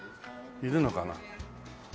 いるのかな？